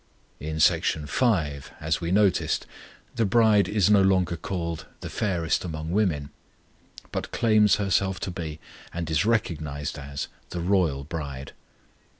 In Section V., as we noticed, the bride is no longer called "the fairest among women," but claims herself to be, and is recognized as, the royal bride.